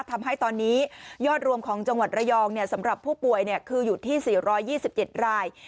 ทำให้ตอนนี้ยอดรวมของจังหวัดระยองสำหรับผู้ป่วยคืออยู่ที่๔๒๗ราย